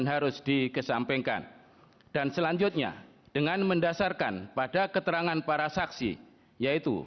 harus dikesampingkan dan selanjutnya dengan mendasarkan pada keterangan para saksi yaitu